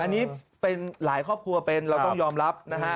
นี่หลายครอบครัวเป็นเราต้องยอมรับนะฮะ